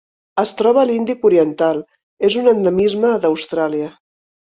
Es troba a l'Índic oriental: és un endemisme d'Austràlia.